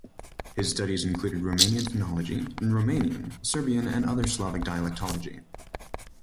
His studies included Romanian phonology, and Romanian, Serbian, and other Slavic dialectology.